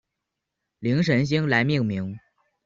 灵神星来命名。